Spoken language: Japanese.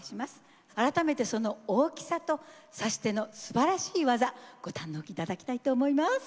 改めてその大きさと差し手のすばらしい技ご堪能頂きたいと思います！